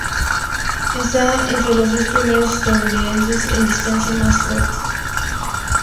Está entre los diez primeros estadounidenses en distancia más corta.